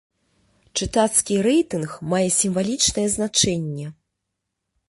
Чытацкі рэйтынг мае сімвалічнае значэнне.